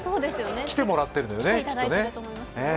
来てもらってるんだよね、きっとね。